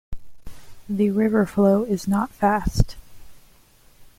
The river flow is not fast.